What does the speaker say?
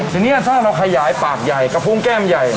ทีนี้ถ้าเราขยายปากใหญ่กระพุงแก้มใหญ่